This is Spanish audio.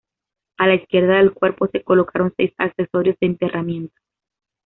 A la izquierda del cuerpo se colocaron seis accesorios de enterramiento.